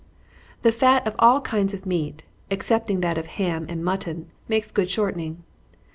_ The fat of all kinds of meat, excepting that of ham and mutton, makes good shortening.